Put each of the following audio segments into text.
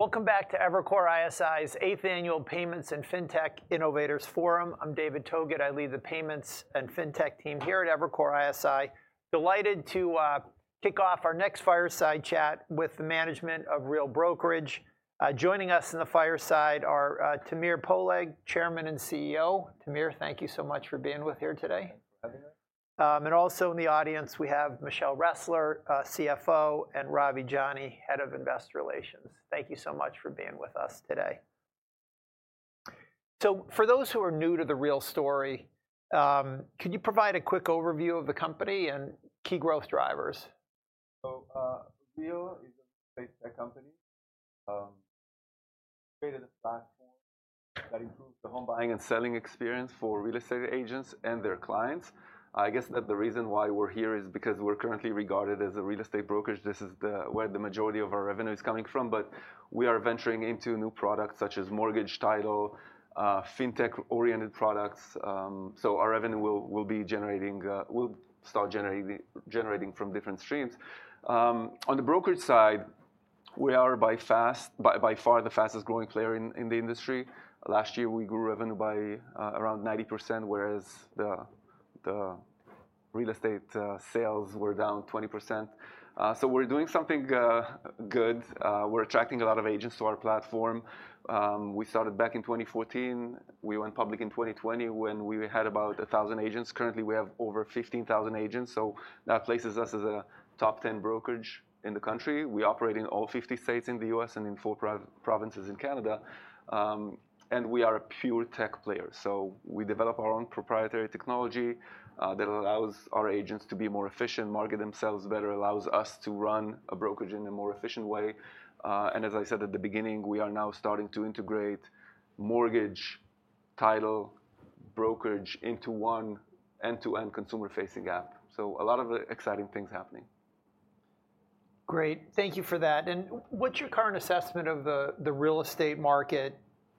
Welcome back to Evercore ISI's 8th Annual Payments and Fintech Innovators Forum. I'm David Togut. I lead the payments and fintech team here at Evercore ISI. Delighted to kick off our next fireside chat with the management of Real Brokerage. Joining us in the fireside are Tamir Poleg, Chairman and CEO. Tamir, thank you so much for being with here today. Thanks for having me. Also in the audience we have Michelle Ressler, CFO, and Ravi Jani, Head of Investor Relations. Thank you so much for being with us today. For those who are new to the Real story, could you provide a quick overview of the company and key growth drivers? So Real is a real estate tech company. We created a platform that improves the home buying and selling experience for real estate agents and their clients. I guess that the reason why we're here is because we're currently regarded as a real estate brokerage. This is where the majority of our revenue is coming from. But we are venturing into new products such as mortgage, title, fintech-oriented products. So our revenue will be generating. We'll start generating from different streams. On the brokerage side, we are by far the fastest growing player in the industry. Last year we grew revenue by around 90%, whereas the real estate sales were down 20%. So we're doing something good. We're attracting a lot of agents to our platform. We started back in 2014. We went public in 2020 when we had about 1,000 agents. Currently we have over 15,000 agents. That places us as a top 10 brokerage in the country. We operate in all 50 states in the U.S. and in four provinces in Canada. We are a pure tech player. We develop our own proprietary technology that allows our agents to be more efficient, market themselves better, allows us to run a brokerage in a more efficient way. As I said at the beginning, we are now starting to integrate mortgage title brokerage into one end-to-end consumer-facing app. A lot of exciting things happening. Great. Thank you for that. And what's your current assessment of the real estate market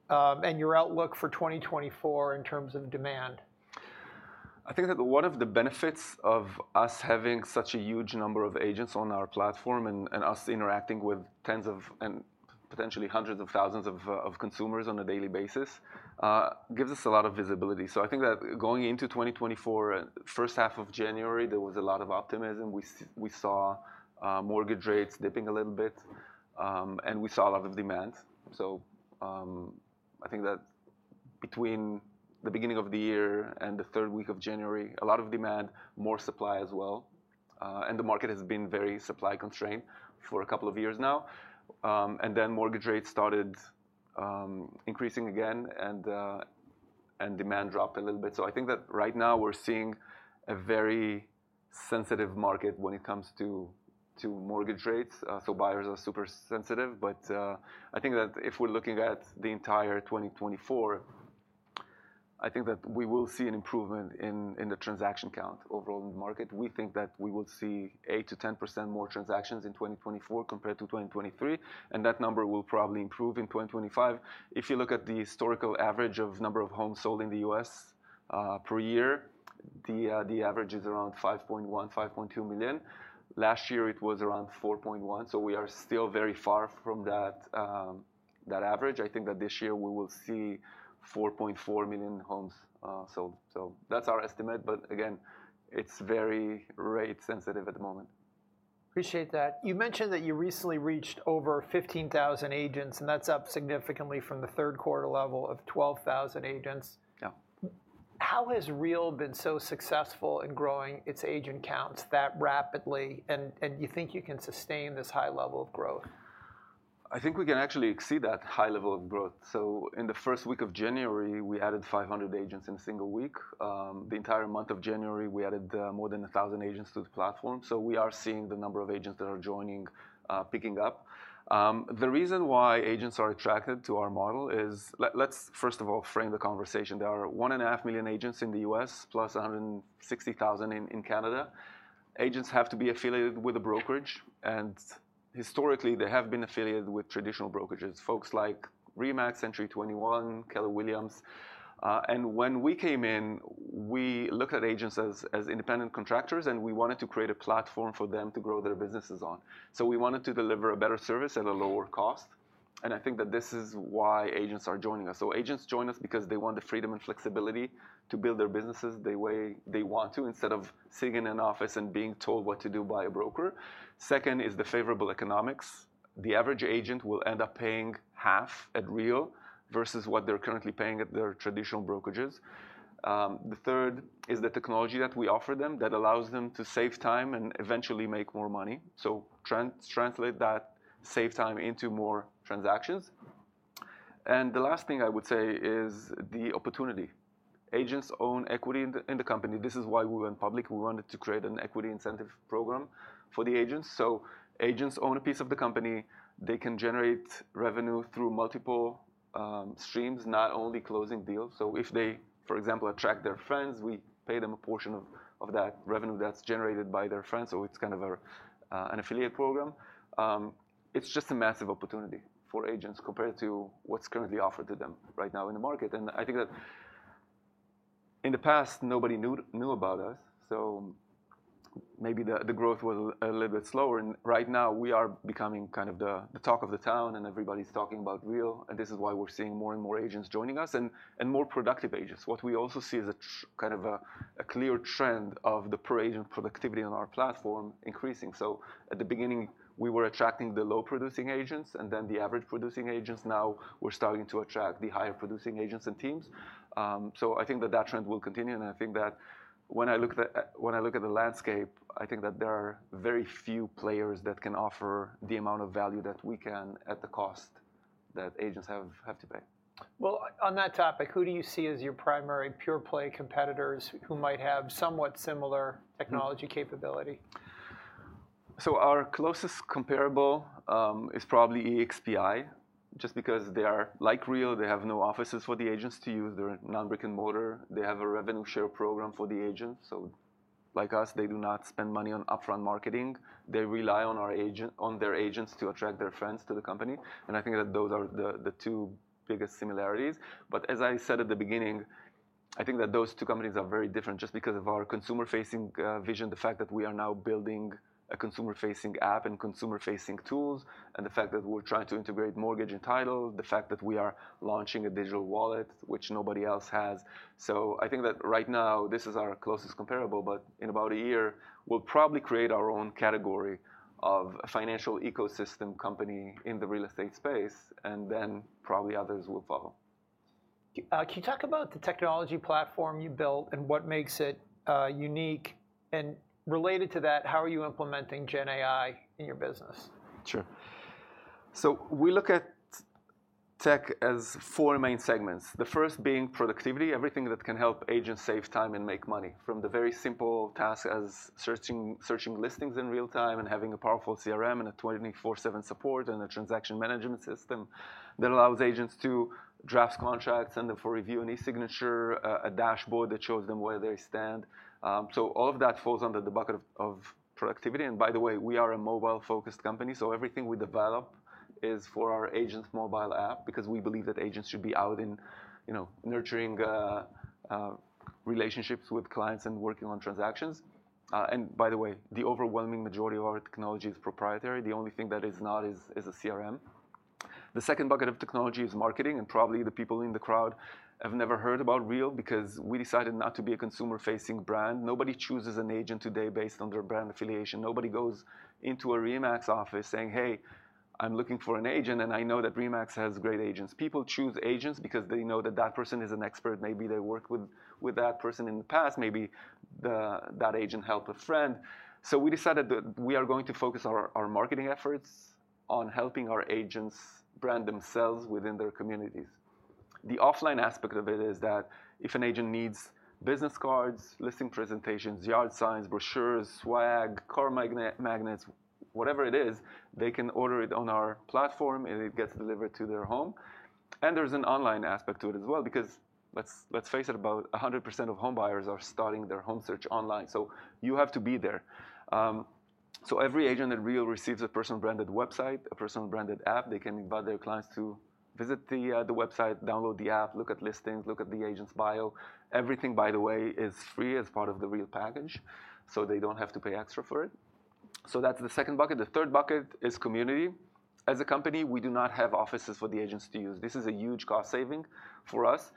and your outlook for 2024 in terms of demand? I think that one of the benefits of us having such a huge number of agents on our platform and us interacting with tens of and potentially hundreds of thousands of consumers on a daily basis gives us a lot of visibility. So I think that going into 2024, first half of January, there was a lot of optimism. We saw mortgage rates dipping a little bit. And we saw a lot of demand. So I think that between the beginning of the year and the third week of January, a lot of demand, more supply as well. And the market has been very supply-constrained for a couple of years now. And then mortgage rates started increasing again. And demand dropped a little bit. So I think that right now we're seeing a very sensitive market when it comes to mortgage rates. So buyers are super sensitive. But I think that if we're looking at the entire 2024, I think that we will see an improvement in the transaction count overall in the market. We think that we will see 8%-10% more transactions in 2024 compared to 2023. And that number will probably improve in 2025. If you look at the historical average of number of homes sold in the U.S. per year, the average is around 5.1 million, 5.2 million. Last year it was around 4.1 million. So we are still very far from that average. I think that this year we will see 4.4 million homes sold. So that's our estimate. But again, it's very rate-sensitive at the moment. Appreciate that. You mentioned that you recently reached over 15,000 agents. That's up significantly from the third quarter level of 12,000 agents. How has Real been so successful in growing its agent counts that rapidly and you think you can sustain this high level of growth? I think we can actually exceed that high level of growth. So in the first week of January, we added 500 agents in a single week. The entire month of January, we added more than 1,000 agents to the platform. So we are seeing the number of agents that are joining picking up. The reason why agents are attracted to our model is, let's first of all, frame the conversation. There are 1.5 million agents in the U.S. plus 160,000 in Canada. Agents have to be affiliated with a brokerage. Historically they have been affiliated with traditional brokerages, folks like RE/MAX, Century 21, Keller Williams. When we came in, we looked at agents as independent contractors. We wanted to create a platform for them to grow their businesses on. So we wanted to deliver a better service at a lower cost. I think that this is why agents are joining us. Agents join us because they want the freedom and flexibility to build their businesses the way they want to instead of sitting in an office and being told what to do by a broker. Second is the favorable economics. The average agent will end up paying half at Real versus what they're currently paying at their traditional brokerages. The third is the technology that we offer them that allows them to save time and eventually make more money. Translate that save time into more transactions. The last thing I would say is the opportunity. Agents own equity in the company. This is why we went public. We wanted to create an equity incentive program for the agents. Agents own a piece of the company. They can generate revenue through multiple streams, not only closing deals. So if they, for example, attract their friends, we pay them a portion of that revenue that's generated by their friends. So it's kind of an affiliate program. It's just a massive opportunity for agents compared to what's currently offered to them right now in the market. And I think that in the past nobody knew about us. So maybe the growth was a little bit slower. And right now we are becoming kind of the talk of the town. And everybody's talking about Real. And this is why we're seeing more and more agents joining us and more productive agents. What we also see is kind of a clear trend of the per-agent productivity on our platform increasing. So at the beginning we were attracting the low-producing agents and then the average-producing agents. Now we're starting to attract the higher-producing agents and teams. I think that that trend will continue. I think that when I look at the landscape, I think that there are very few players that can offer the amount of value that we can at the cost that agents have to pay. Well, on that topic, who do you see as your primary pure-play competitors who might have somewhat similar technology capability? So our closest comparable is probably EXPI just because they are like Real. They have no offices for the agents to use. They're non-brick-and-mortar. They have a revenue share program for the agents. So like us, they do not spend money on upfront marketing. They rely on their agents to attract their friends to the company. And I think that those are the two biggest similarities. But as I said at the beginning, I think that those two companies are very different just because of our consumer-facing vision The fact that we are now building a consumer-facing app and consumer-facing tools, and the fact that we're trying to integrate mortgage and title, the fact that we are launching a digital wallet, which nobody else has. So I think that right now this is our closest comparable. But in about a year we'll probably create our own category of financial ecosystem company in the real estate space. And then probably others will follow. Can you talk about the technology platform you built and what makes it unique? And related to that, how are you implementing GenAI in your business? Sure. So we look at tech as 4 main segments, the first being productivity, everything that can help agents save time and make money from the very simple task as searching listings in real time and having a powerful CRM and a 24/7 support and a transaction management system that allows agents to draft contracts and then for review and e-signature, a dashboard that shows them where they stand. All of that falls under the bucket of productivity. By the way, we are a mobile-focused company. Everything we develop is for our agents' mobile app because we believe that agents should be out nurturing relationships with clients and working on transactions. By the way, the overwhelming majority of our technology is proprietary. The only thing that is not is a CRM. The second bucket of technology is marketing. Probably the people in the crowd have never heard about Real because we decided not to be a consumer-facing brand. Nobody chooses an agent today based on their brand affiliation. Nobody goes into a RE/MAX office saying, hey, I'm looking for an agent. I know that RE/MAX has great agents. People choose agents because they know that that person is an expert. Maybe they worked with that person in the past. Maybe that agent helped a friend. We decided that we are going to focus our marketing efforts on helping our agents brand themselves within their communities. The offline aspect of it is that if an agent needs business cards, listing presentations, yard signs, brochures, swag, car magnets, whatever it is, they can order it on our platform. It gets delivered to their home. And there's an online aspect to it as well because let's face it, about 100% of home buyers are starting their home search online. So you have to be there. So every agent at Real receives a personal-branded website, a personal-branded app. They can invite their clients to visit the website, download the app, look at listings, look at the agent's bio. Everything, by the way, is free as part of the Real package. So they don't have to pay extra for it. So that's the second bucket. The third bucket is community. As a company, we do not have offices for the agents to use. This is a huge cost saving for us.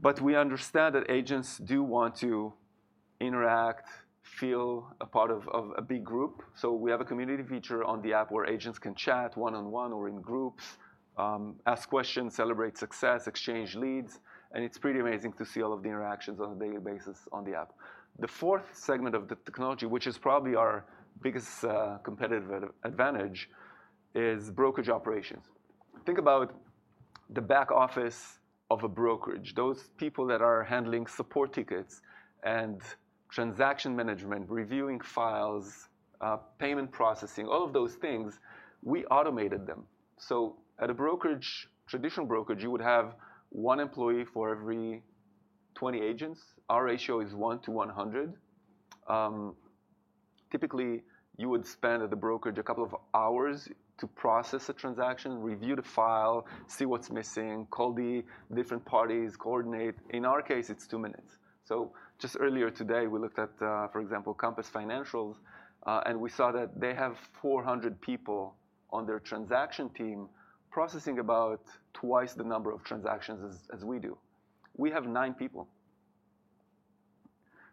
But we understand that agents do want to interact, feel a part of a big group. So we have a community feature on the app where agents can chat one-on-one or in groups, ask questions, celebrate success, exchange leads. And it's pretty amazing to see all of the interactions on a daily basis on the app. The fourth segment of the technology, which is probably our biggest competitive advantage, is brokerage operations. Think about the back office of a brokerage, those people that are handling support tickets and transaction management, reviewing files, payment processing, all of those things. We automated them. So at a brokerage, traditional brokerage, you would have one employee for every 20 agents. Our ratio is 1 to 100. Typically you would spend at the brokerage a couple of hours to process a transaction, review the file, see what's missing, call the different parties, coordinate. In our case it's 2 minutes. So just earlier today we looked at, for example, Compass financials. We saw that they have 400 people on their transaction team processing about twice the number of transactions as we do. We have 9 people.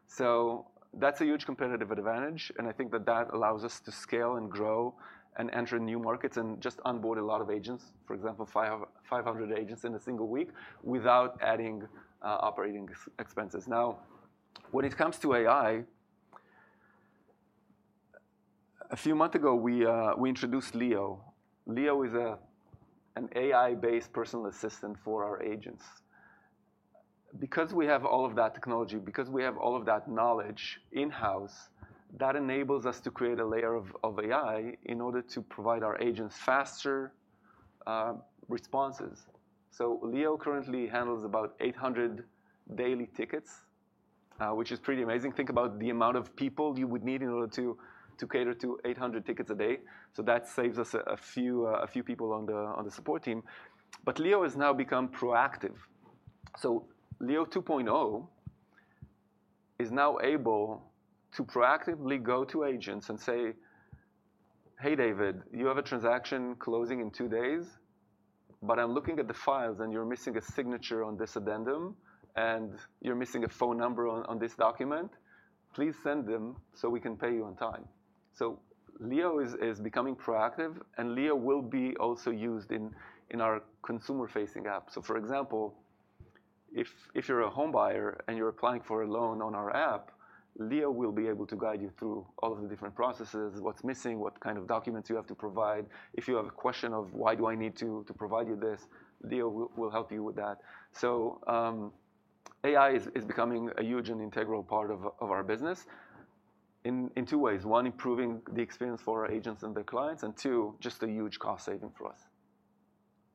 So that's a huge competitive advantage. And I think that that allows us to scale and grow and enter new markets and just onboard a lot of agents, for example, 500 agents in a single week without adding operating expenses. Now when it comes to AI, a few months ago we introduced Leo. Leo is an AI-based personal assistant for our agents. Because we have all of that technology, because we have all of that knowledge in-house, that enables us to create a layer of AI in order to provide our agents faster responses. So Leo currently handles about 800 daily tickets, which is pretty amazing. Think about the amount of people you would need in order to cater to 800 tickets a day. That saves us a few people on the support team. But Leo has now become proactive. Leo 2.0 is now able to proactively go to agents and say, hey, David, you have a transaction closing in 2 days. But I'm looking at the files. And you're missing a signature on this addendum. And you're missing a phone number on this document. Please send them so we can pay you on time. Leo is becoming proactive. And Leo will be also used in our consumer-facing app. For example, if you're a home buyer and you're applying for a loan on our app, Leo will be able to guide you through all of the different processes, what's missing, what kind of documents you have to provide. If you have a question of why do I need to provide you this, Leo will help you with that. AI is becoming a huge and integral part of our business in two ways, one, improving the experience for our agents and their clients. And two, just a huge cost saving for us.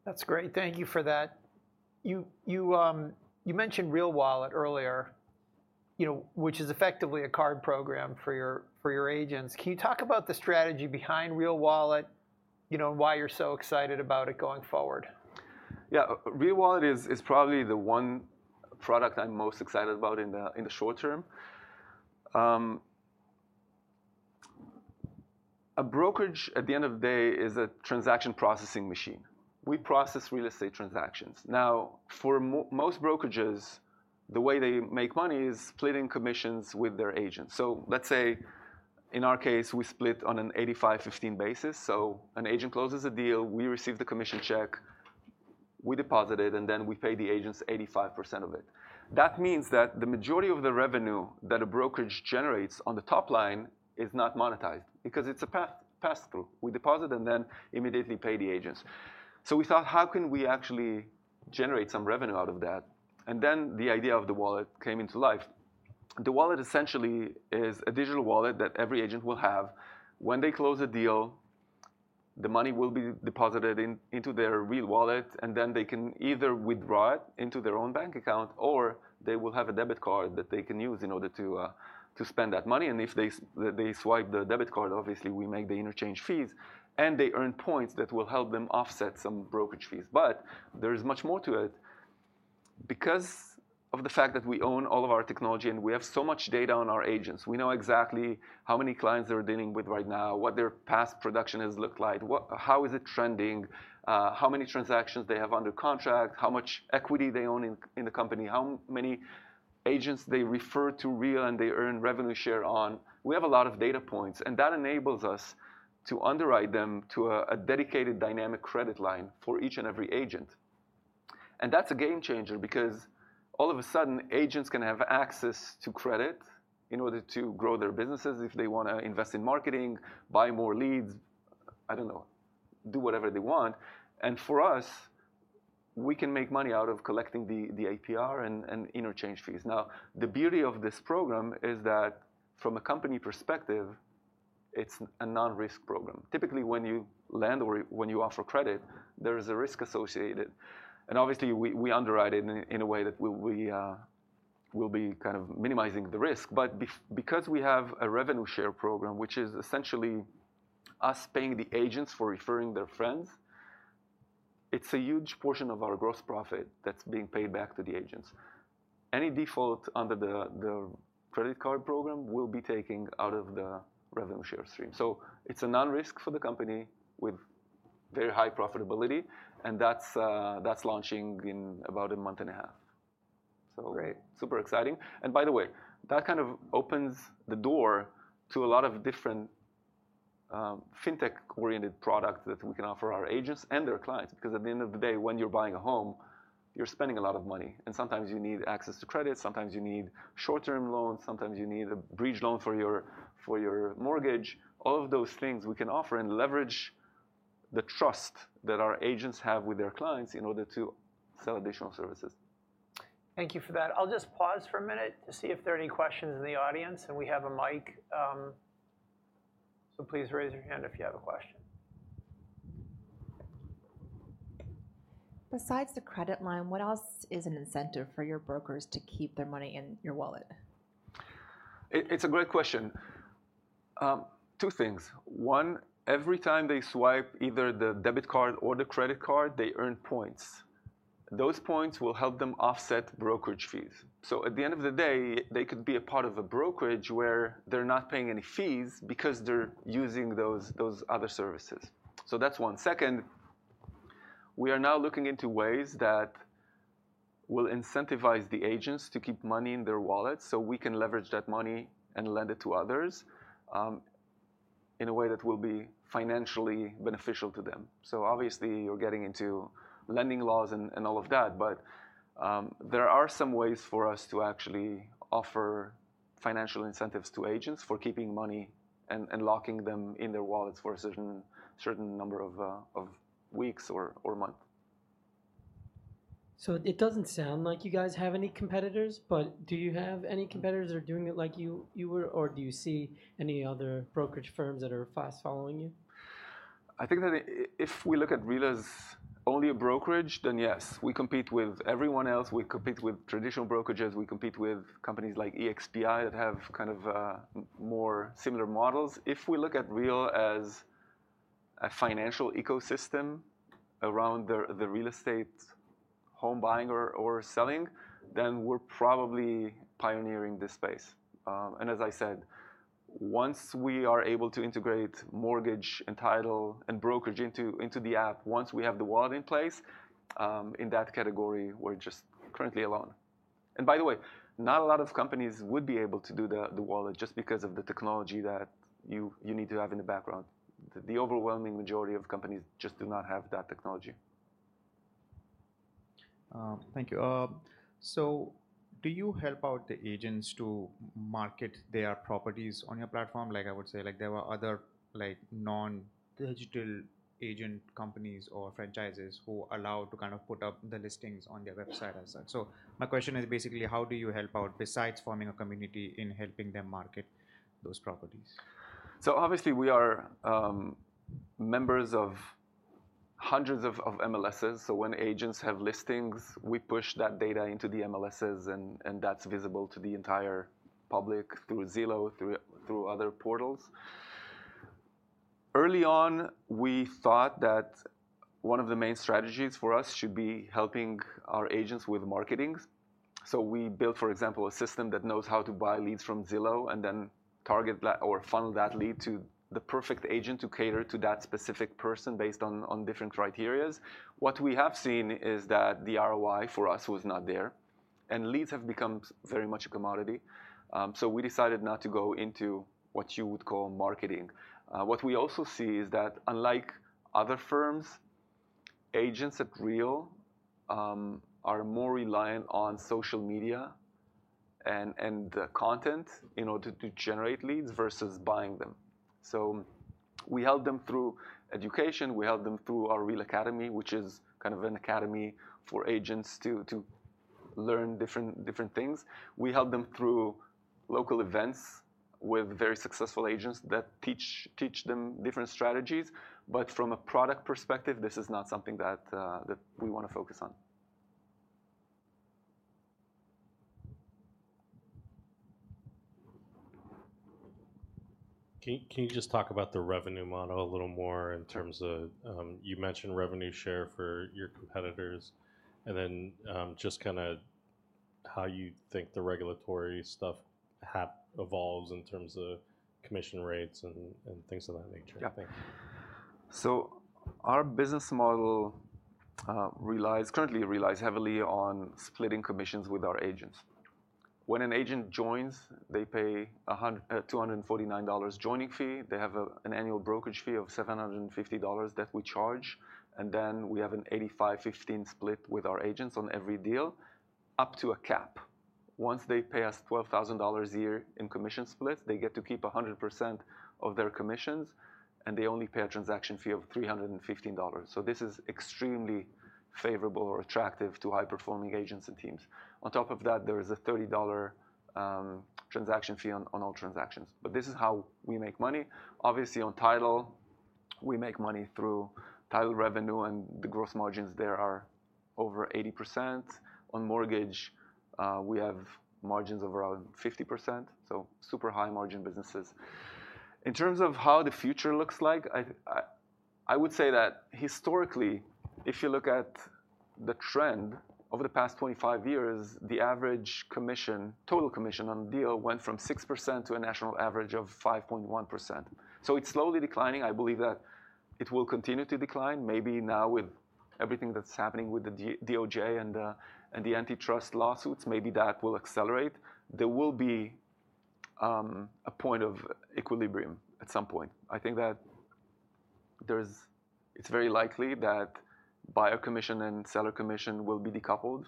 That's great. Thank you for that. You mentioned Real Wallet earlier, which is effectively a card program for your agents. Can you talk about the strategy behind Real Wallet and why you're so excited about it going forward? Yeah. Real Wallet is probably the one product I'm most excited about in the short term. A brokerage, at the end of the day, is a transaction processing machine. We process real estate transactions. Now for most brokerages, the way they make money is splitting commissions with their agents. So let's say in our case we split on an 85/15 basis. So an agent closes a deal. We receive the commission check. We deposit it. And then we pay the agents 85% of it. That means that the majority of the revenue that a brokerage generates on the top line is not monetized because it's a pass-through. We deposit and then immediately pay the agents. So we thought, how can we actually generate some revenue out of that? And then the idea of the wallet came into life. The wallet essentially is a digital wallet that every agent will have. When they close a deal, the money will be deposited into their Real Wallet. And then they can either withdraw it into their own bank account or they will have a debit card that they can use in order to spend that money. And if they swipe the debit card, obviously we make the interchange fees. And they earn points that will help them offset some brokerage fees. But there is much more to it. Because of the fact that we own all of our technology and we have so much data on our agents, we know exactly how many clients they're dealing with right now, what their past production has looked like, how is it trending, how many transactions they have under contract, how much equity they own in the company, how many agents they refer to Real and they earn revenue share on, we have a lot of data points. And that enables us to underwrite them to a dedicated dynamic credit line for each and every agent. And that's a game changer because all of a sudden agents can have access to credit in order to grow their businesses if they want to invest in marketing, buy more leads, I don't know, do whatever they want. And for us, we can make money out of collecting the APR and interchange fees. Now the beauty of this program is that from a company perspective it's a non-risk program. Typically when you lend or when you offer credit there is a risk associated. And obviously we underwrite it in a way that we will be kind of minimizing the risk. But because we have a revenue share program, which is essentially us paying the agents for referring their friends, it's a huge portion of our gross profit that's being paid back to the agents. Any default under the credit card program will be taken out of the revenue share stream. So it's a non-risk for the company with very high profitability. And that's launching in about a month and a half. Great. So super exciting. And by the way, that kind of opens the door to a lot of different fintech-oriented products that we can offer our agents and their clients because at the end of the day when you're buying a home you're spending a lot of money. And sometimes you need access to credit. Sometimes you need short-term loans. Sometimes you need a bridge loan for your mortgage. All of those things we can offer and leverage the trust that our agents have with their clients in order to sell additional services. Thank you for that. I'll just pause for a minute to see if there are any questions in the audience. We have a mic. Please raise your hand if you have a question. Besides the credit line, what else is an incentive for your brokers to keep their money in your wallet? It's a great question. Two things. One, every time they swipe either the debit card or the credit card they earn points. Those points will help them offset brokerage fees. So at the end of the day they could be a part of a brokerage where they're not paying any fees because they're using those other services. So that's one. Second, we are now looking into ways that will incentivize the agents to keep money in their wallets so we can leverage that money and lend it to others in a way that will be financially beneficial to them. So obviously you're getting into lending laws and all of that. But there are some ways for us to actually offer financial incentives to agents for keeping money and locking them in their wallets for a certain number of weeks or months. It doesn't sound like you guys have any competitors. Do you have any competitors that are doing it like you were? Do you see any other brokerage firms that are fast following you? I think that if we look at Real as only a brokerage then yes, we compete with everyone else. We compete with traditional brokerages. We compete with companies like EXPI that have kind of more similar models. If we look at Real as a financial ecosystem around the real estate home buying or selling, then we're probably pioneering this space. And as I said, once we are able to integrate mortgage and title and brokerage into the app, once we have the wallet in place, in that category we're just currently alone. And by the way, not a lot of companies would be able to do the wallet just because of the technology that you need to have in the background. The overwhelming majority of companies just do not have that technology. Thank you. So do you help out the agents to market their properties on your platform? Like I would say, there are other non-digital agent companies or franchises who allow to kind of put up the listings on their website as such. So my question is basically how do you help out besides forming a community in helping them market those properties? Obviously we are members of hundreds of MLSs. When agents have listings, we push that data into the MLSs. That's visible to the entire public through Zillow, through other portals. Early on we thought that one of the main strategies for us should be helping our agents with marketing. We built, for example, a system that knows how to buy leads from Zillow and then target or funnel that lead to the perfect agent to cater to that specific person based on different criteria. What we have seen is that the ROI for us was not there. Leads have become very much a commodity. We decided not to go into what you would call marketing. What we also see is that unlike other firms, agents at Real are more reliant on social media and content in order to generate leads versus buying them. So we help them through education. We help them through our Real Academy, which is kind of an academy for agents to learn different things. We help them through local events with very successful agents that teach them different strategies. But from a product perspective this is not something that we want to focus on. Can you just talk about the revenue model a little more in terms of you mentioned revenue share for your competitors? And then just kind of how you think the regulatory stuff evolves in terms of commission rates and things of that nature? Yeah. Thank you. So our business model currently relies heavily on splitting commissions with our agents. When an agent joins, they pay a $249 joining fee. They have an annual brokerage fee of $750 that we charge. And then we have an 85/15 split with our agents on every deal up to a cap. Once they pay us $12,000 a year in commission splits, they get to keep 100% of their commissions. And they only pay a transaction fee of $315. So this is extremely favorable or attractive to high performing agents and teams. On top of that there is a $30 transaction fee on all transactions. But this is how we make money. Obviously on title we make money through title revenue. And the gross margins there are over 80%. On mortgage we have margins of around 50%. So super high margin businesses. In terms of how the future looks like, I would say that historically if you look at the trend over the past 25 years, the average commission total commission on a deal went from 6% to a national average of 5.1%. It's slowly declining. I believe that it will continue to decline. Maybe now with everything that's happening with the DOJ and the antitrust lawsuits, maybe that will accelerate. There will be a point of equilibrium at some point. I think that it's very likely that buyer commission and seller commission will be decoupled.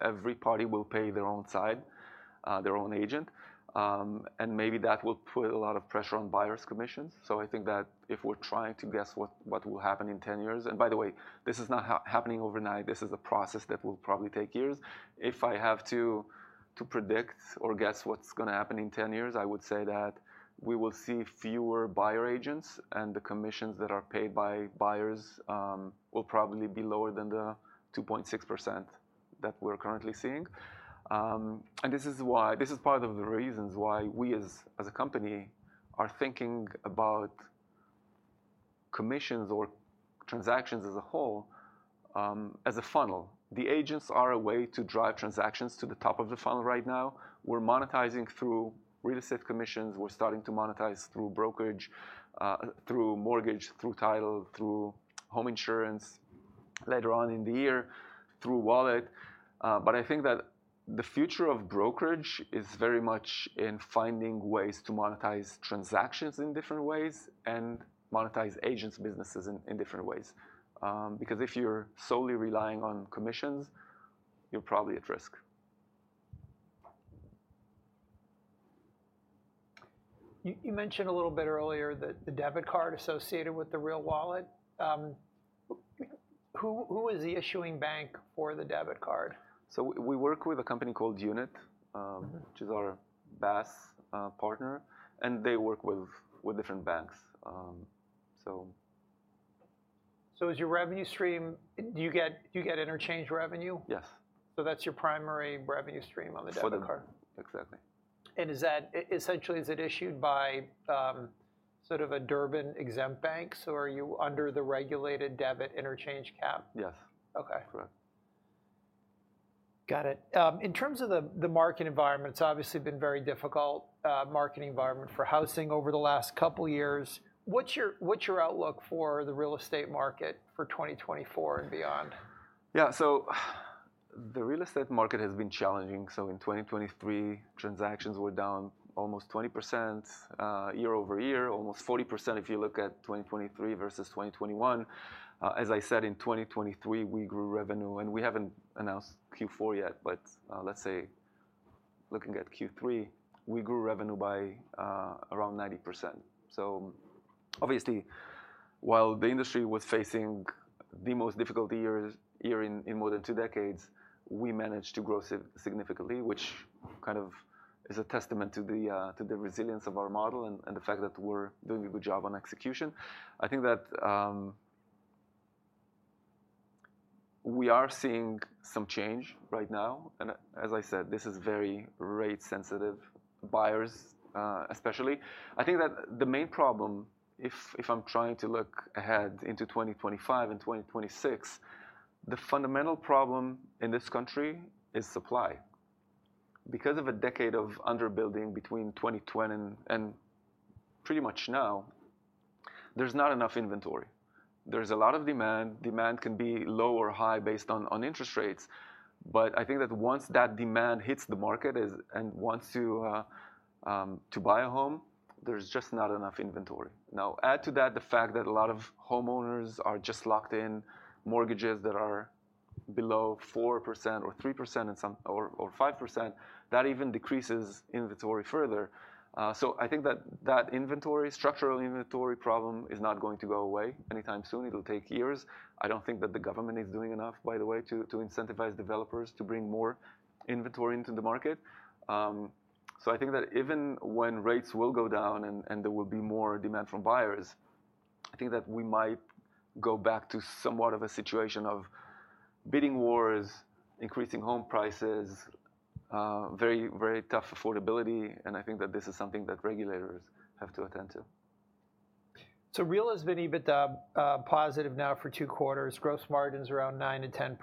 Every party will pay their own side, their own agent. Maybe that will put a lot of pressure on buyers' commissions. I think that if we're trying to guess what will happen in 10 years and by the way, this is not happening overnight. This is a process that will probably take years. If I have to predict or guess what's going to happen in 10 years I would say that we will see fewer buyer agents. The commissions that are paid by buyers will probably be lower than the 2.6% that we're currently seeing. This is part of the reasons why we as a company are thinking about commissions or transactions as a whole as a funnel. The agents are a way to drive transactions to the top of the funnel right now. We're monetizing through real estate commissions. We're starting to monetize through brokerage, through mortgage, through title, through home insurance later on in the year through Wallet. I think that the future of brokerage is very much in finding ways to monetize transactions in different ways and monetize agents' businesses in different ways. Because if you're solely relying on commissions you're probably at risk. You mentioned a little bit earlier that the debit card associated with the Real Wallet. Who is the issuing bank for the debit card? We work with a company called Unit which is our BaaS partner. They work with different banks. So, is your revenue stream? Do you get interchange revenue? Yes. That's your primary revenue stream on the debit card? For the exactly. Essentially is it issued by sort of a Durbin exempt bank? So are you under the regulated debit interchange cap? Yes. OK. Correct. Got it. In terms of the market environment it's obviously been very difficult market environment for housing over the last couple of years. What's your outlook for the real estate market for 2024 and beyond? Yeah. So the real estate market has been challenging. So in 2023 transactions were down almost 20% year-over-year, almost 40% if you look at 2023 versus 2021. As I said in 2023 we grew revenue. And we haven't announced Q4 yet. But let's say looking at Q3 we grew revenue by around 90%. So obviously while the industry was facing the most difficult year in more than two decades we managed to grow significantly which kind of is a testament to the resilience of our model and the fact that we're doing a good job on execution. I think that we are seeing some change right now. And as I said this is very rate sensitive, buyers especially. I think that the main problem, if I'm trying to look ahead into 2025 and 2026, the fundamental problem in this country is supply. Because of a decade of underbuilding between 2020 and pretty much now, there's not enough inventory. There's a lot of demand. Demand can be low or high based on interest rates. But I think that once that demand hits the market and wants to buy a home, there's just not enough inventory. Now add to that the fact that a lot of homeowners are just locked in mortgages that are below 4% or 3% or 5%; that even decreases inventory further. So I think that that inventory, structural inventory problem is not going to go away anytime soon. It'll take years. I don't think that the government is doing enough, by the way, to incentivize developers to bring more inventory ito the market. So, I think that even when rates will go down and there will be more demand from buyers, I think that we might go back to somewhat of a situation of bidding wars, increasing home prices, very, very tough affordability. And I think that this is something that regulators have to attend to. So Real has been EBITDA positive now for two quarters. Gross margin's around 9%-10%.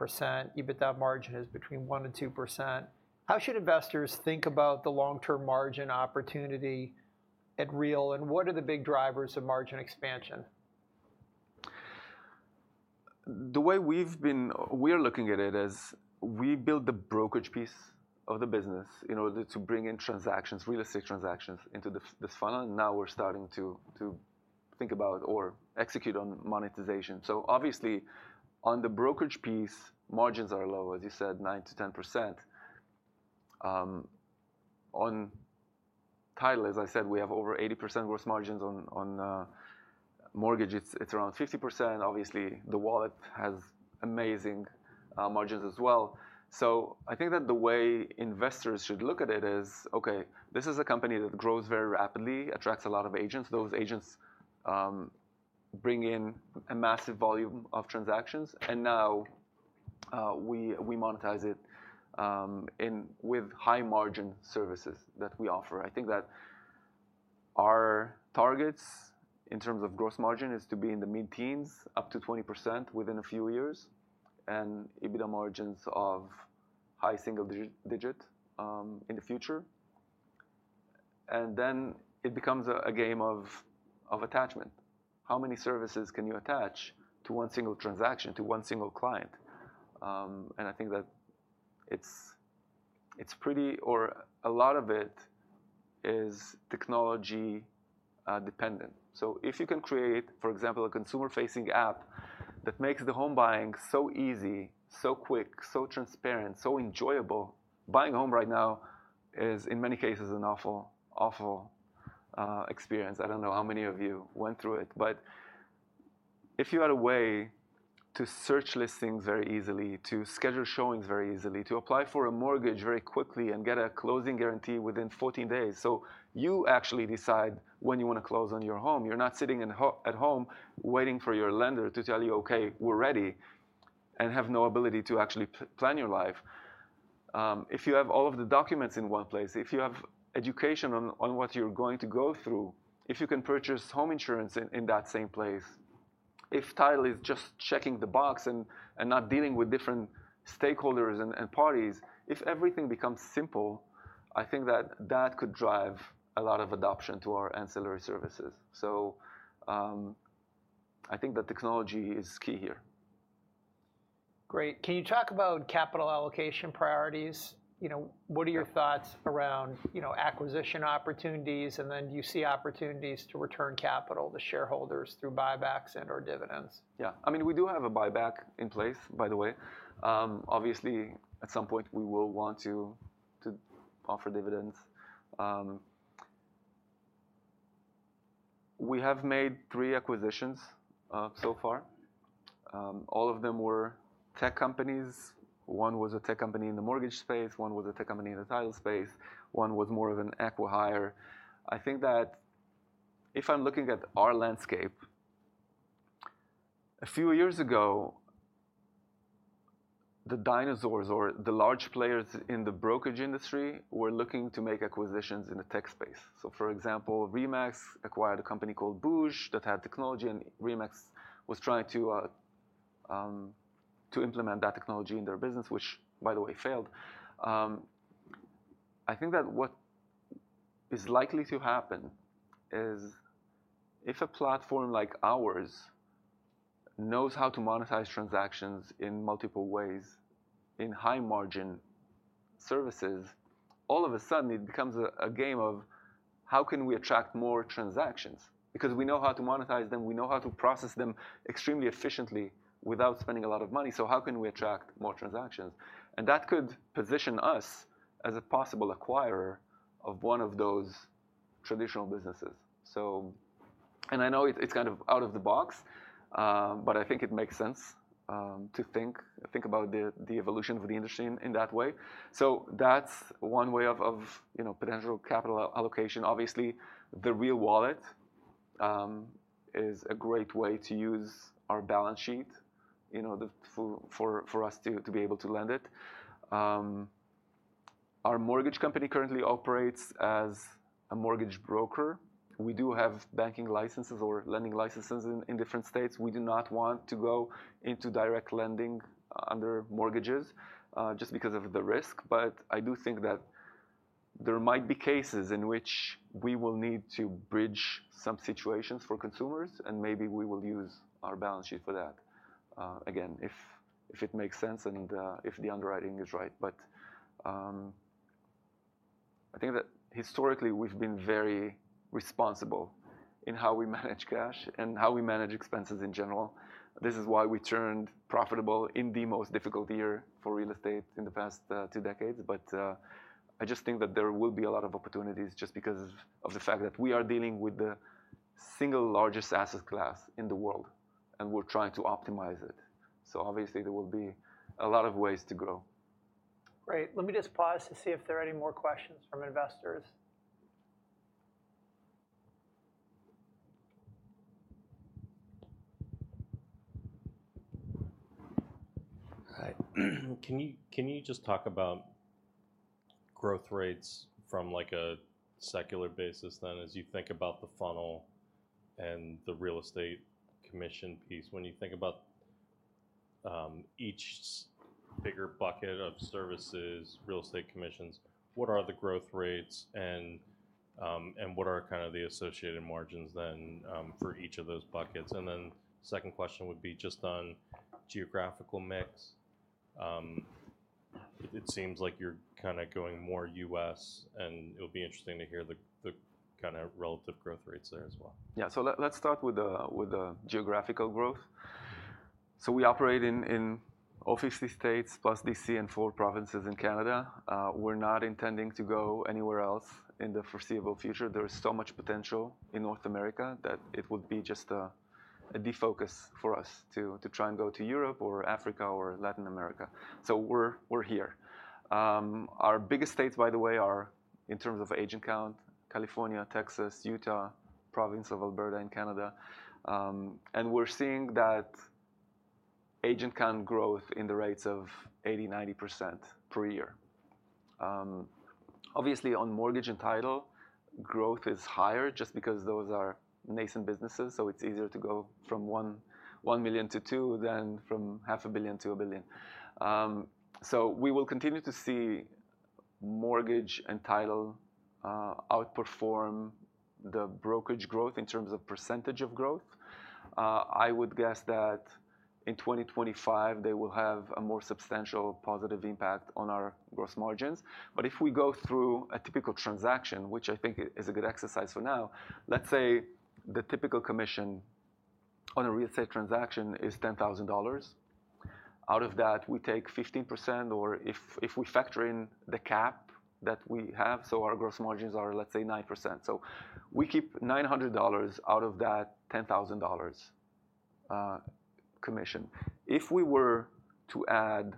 EBITDA margin is between 1%-2%. How should investors think about the long-term margin opportunity at Real? And what are the big drivers of margin expansion? The way we are looking at it is we build the brokerage piece of the business in order to bring in transactions, real estate transactions into this funnel. Now we're starting to think about or execute on monetization. So obviously on the brokerage piece margins are low, as you said, 9%-10%. On title as I said we have over 80% gross margins on mortgage. It's around 50%. Obviously the Wallet has amazing margins as well. So I think that the way investors should look at it is, OK, this is a company that grows very rapidly, attracts a lot of agents. Those agents bring in a massive volume of transactions. And now we monetize it with high margin services that we offer. I think that our targets in terms of gross margin is to be in the mid-teens, up to 20% within a few years. EBITDA margins of high single-digit % in the future. Then it becomes a game of attachment. How many services can you attach to one single transaction, to one single client? I think that it's pretty or a lot of it is technology dependent. So if you can create, for example, a consumer-facing app that makes the home buying so easy, so quick, so transparent, so enjoyable, buying a home right now is in many cases an awful experience. I don't know how many of you went through it. But if you had a way to search listings very easily, to schedule showings very easily, to apply for a mortgage very quickly and get a closing guarantee within 14 days. So you actually decide when you want to close on your home. You're not sitting at home waiting for your lender to tell you, OK, we're ready and have no ability to actually plan your life. If you have all of the documents in one place, if you have education on what you're going to go through, if you can purchase home insurance in that same place, if title is just checking the box and not dealing with different stakeholders and parties, if everything becomes simple I think that that could drive a lot of adoption to our ancillary services. So I think that technology is key here. Great. Can you talk about capital allocation priorities? What are your thoughts around acquisition opportunities? And then do you see opportunities to return capital to shareholders through buybacks and/or dividends? Yeah. I mean, we do have a buyback in place, by the way. Obviously, at some point we will want to offer dividends. We have made three acquisitions so far. All of them were tech companies. One was a tech company in the mortgage space. One was a tech company in the title space. One was more of an acqui-hire. I think that if I'm looking at our landscape a few years ago, the dinosaurs or the large players in the brokerage industry were looking to make acquisitions in the tech space. So, for example, RE/MAX acqui-hired a company called booj that had technology. And RE/MAX was trying to implement that technology in their business, which, by the way, failed. I think that what is likely to happen is if a platform like ours knows how to monetize transactions in multiple ways in high margin services all of a sudden it becomes a game of how can we attract more transactions? Because we know how to monetize them. We know how to process them extremely efficiently without spending a lot of money. So how can we attract more transactions? And that could position us as a possible acqui-hirer of one of those traditional businesses. And I know it's kind of out of the box. But I think it makes sense to think about the evolution of the industry in that way. So that's one way of potential capital allocation. Obviously the Real Wallet is a great way to use our balance sheet for us to be able to lend it. Our mortgage company currently operates as a mortgage broker. We do have banking licenses or lending licenses in different states. We do not want to go into direct lending under mortgages just because of the risk. But I do think that there might be cases in which we will need to bridge some situations for consumers. And maybe we will use our balance sheet for that again if it makes sense and if the underwriting is right. But I think that historically we've been very responsible in how we manage cash and how we manage expenses in general. This is why we turned profitable in the most difficult year for real estate in the past two decades. But I just think that there will be a lot of opportunities just because of the fact that we are dealing with the single largest asset class in the world. And we're trying to optimize it. Obviously there will be a lot of ways to grow. Great. Let me just pause to see if there are any more questions from investors. All right. Can you just talk about growth rates from a secular basis then as you think about the funnel and the real estate commission piece? When you think about each bigger bucket of services, real estate commissions what are the growth rates? And what are kind of the associated margins then for each of those buckets? And then second question would be just on geographical mix. It seems like you're kind of going more U.S. And it'll be interesting to hear the kind of relative growth rates there as well. Yeah. So let's start with the geographical growth. So we operate in all 50 states plus D.C. and 4 provinces in Canada. We're not intending to go anywhere else in the foreseeable future. There is so much potential in North America that it would be just a defocus for us to try and go to Europe or Africa or Latin America. So we're here. Our biggest states by the way are in terms of agent count California, Texas, Utah, province of Alberta in Canada. And we're seeing that agent count growth in the rates of 80%, 90% per year. Obviously, on mortgage and title growth is higher just because those are nascent businesses. So it's easier to go from $1 million to $2 million than from $500 million to $1 billion. So we will continue to see mortgage and title outperform the brokerage growth in terms of percentage of growth. I would guess that in 2025 they will have a more substantial positive impact on our gross margins. But if we go through a typical transaction, which I think is a good exercise for now, let's say the typical commission on a real estate transaction is $10,000. Out of that we take 15% or if we factor in the cap that we have so our gross margins are, let's say, 9%. So we keep $900 out of that $10,000 commission. If we were to add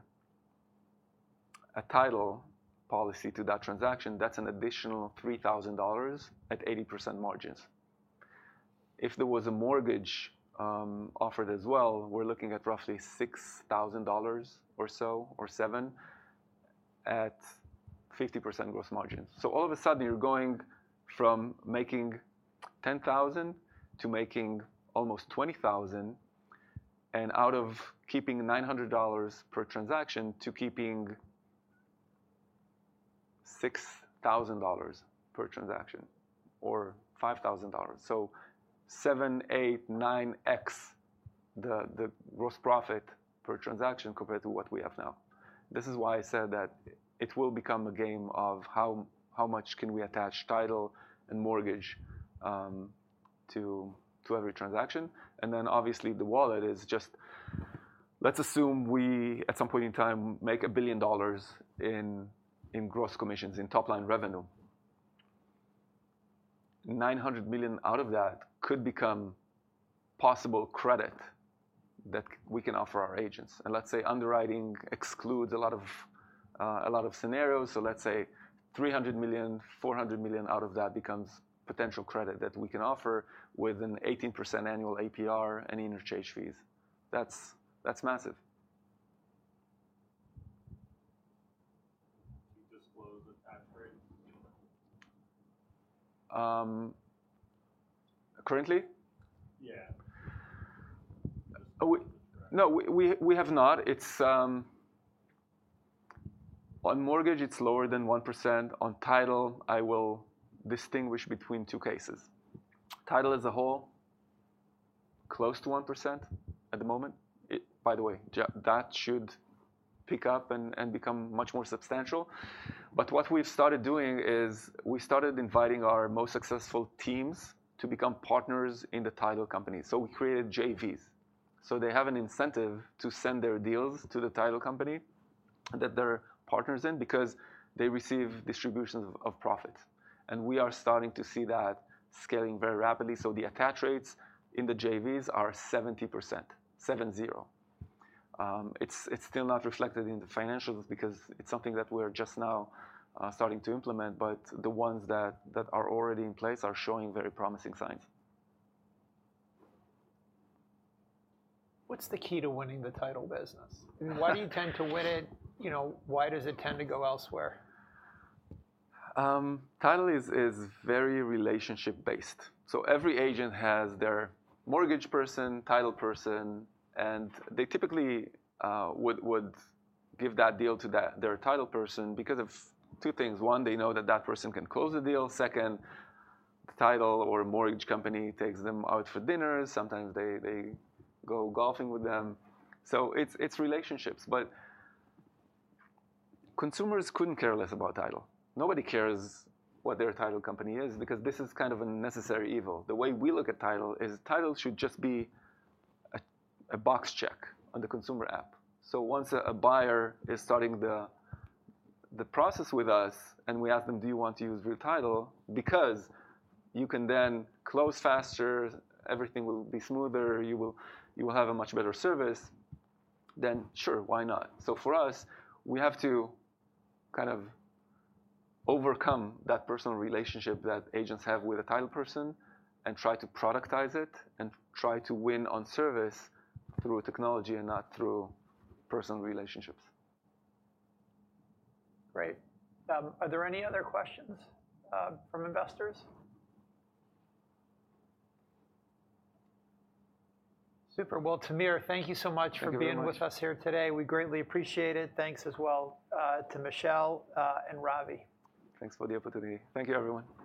a title policy to that transaction, that's an additional $3,000 at 80% margins. If there was a mortgage offered as well, we're looking at roughly $6,000 or so or $7,000 at 50% gross margins. So all of a sudden you're going from making $10,000 to making almost $20,000. And out of keeping $900 per transaction to keeping $6,000 per transaction or $5,000. So 7, 8, 9x the gross profit per transaction compared to what we have now. This is why I said that it will become a game of how much can we attach title and mortgage to every transaction. And then obviously the Wallet is just let's assume we at some point in time make $1 billion in gross commissions, in top line revenue. $900 million out of that could become possible credit that we can offer our agents. And let's say underwriting excludes a lot of scenarios. So let's say $300 million, $400 million out of that becomes potential credit that we can offer with an 18% annual APR and interchange fees. That's massive. Can you disclose attach rates? Currently? Yeah. No. We have not. On mortgage it's lower than 1%. On title I will distinguish between two cases. Title as a whole close to 1% at the moment. By the way that should pick up and become much more substantial. But what we've started doing is we started inviting our most successful teams to become partners in the title companies. So we created JVs. So they have an incentive to send their deals to the title company that they're partners in because they receive distributions of profit. And we are starting to see that scaling very rapidly. So the attach rates in the JVs are 70%, 70. It's still not reflected in the financials because it's something that we're just now starting to implement. But the ones that are already in place are showing very promising signs. What's the key to winning the title business? Why do you tend to win it? Why does it tend to go elsewhere? Title is very relationship based. So every agent has their mortgage person, title person. And they typically would give that deal to their title person because of two things. One, they know that that person can close the deal. Second, the title or mortgage company takes them out for dinners. Sometimes they go golfing with them. So it's relationships. But consumers couldn't care less about title. Nobody cares what their title company is because this is kind of a necessary evil. The way we look at title is title should just be a box check on the consumer app. So once a buyer is starting the process with us and we ask them, do you want to use Real Title? Because you can then close faster. Everything will be smoother. You will have a much better service. Then, sure, why not? For us we have to kind of overcome that personal relationship that agents have with a title person and try to productize it and try to win on service through technology and not through personal relationships. Great. Are there any other questions from investors? Super. Well, Tamir, thank you so much for being with us here today. We greatly appreciate it. Thanks as well to Michelle and Ravi. Thanks for the opportunity. Thank you everyone.